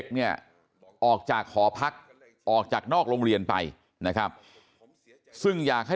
เนี่ยออกจากหอพักออกจากนอกโรงเรียนไปนะครับซึ่งอยากให้